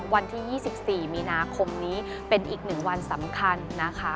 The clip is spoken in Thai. วันที่๒๔มีนาคมนี้เป็นอีก๑วันสำคัญนะคะ